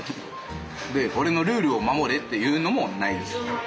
俺のルールを守れっていうのもないです。